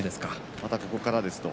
またここからですと。